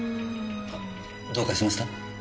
どうかしました？